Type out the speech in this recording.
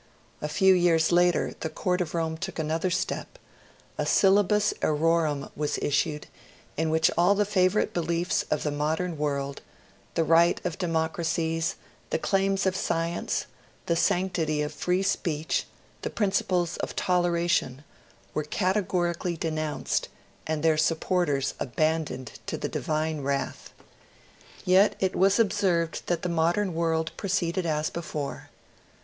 A few years later, the Court of Rome took another step: a Syllabus Errorum was issued, in which all the favourite beliefs of the modern world the rights of democracies, the claims of science, the sanctity of free speech, the principles of toleration were categorically denounced, and their supporters abandoned to the Divine wrath. Yet it was observed that the modern world proceeded as before.